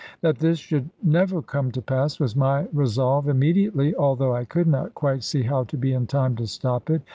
That this should never come to pass was my resolve immediately, although I could not quite see how to be in time to stop it.